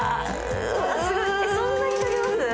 そんなにかけます！？